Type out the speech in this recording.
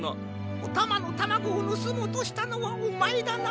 おたまのタマゴをぬすもうとしたのはおまえだな？